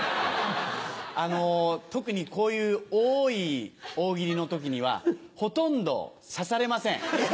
あの特にこういう多い「大喜利」の時にはほとんど指されません。